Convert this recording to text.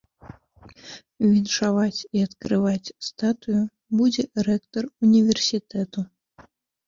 Віншаваць і адкрываць статую будзе рэктар універсітэту.